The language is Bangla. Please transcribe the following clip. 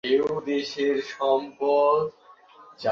না, আমাদের মায়ামি থেকে এখানে আসার পথে বিমানে আলাপ হয়েছিল ছাড়া।